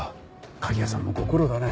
鍵屋さんもご苦労だね。